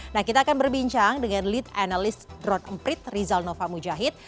nah kita akan berbincang dengan lead analyst drone emprit rizal nova mujahid